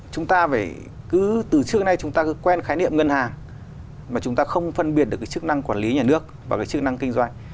chúng ta phải cứ từ trước nay chúng ta cứ quen khái niệm ngân hàng mà chúng ta không phân biệt được cái chức năng quản lý nhà nước và cái chức năng kinh doanh